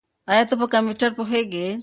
ایا ته په کمپیوټر پوهېږې؟